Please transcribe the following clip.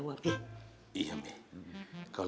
kalo perlu kuping kita kita tutup pake kapas